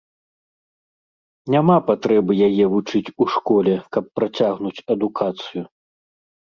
Няма патрэбы яе вучыць у школе, каб працягнуць адукацыю.